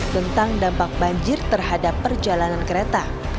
tentang dampak banjir terhadap perjalanan kereta